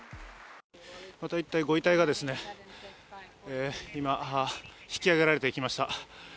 また１体、ご遺体が今、引き上げられてきました。